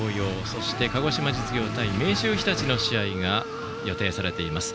そして鹿児島実業対明秀日立の試合が予定されています。